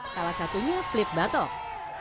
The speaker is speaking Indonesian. salah satunya flip battle